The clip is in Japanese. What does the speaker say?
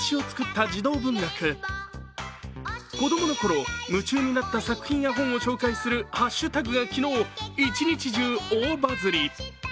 子供のころ、夢中になった作品や本を紹介するハッシュタグが昨日、一日中大バズり。